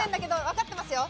わかってますよ。